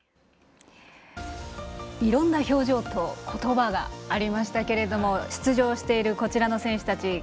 いろんな表情と言葉がありましたけども出場しているこちらの選手たち。